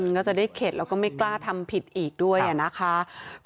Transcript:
ก็จะได้เข็ดแล้วก็ไม่กล้าทำผิดอีกด้วยนะคะ